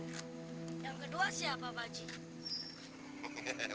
yang kedua siapa pakcik